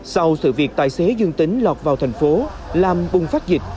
sau sự việc tài xế dương tính lọt vào thành phố làm bùng phát dịch